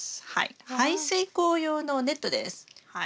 排水口用のネットです。